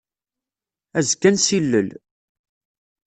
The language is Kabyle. Azekka ad nessilel.